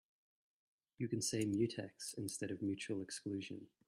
You can say mutex instead of mutual exclusion.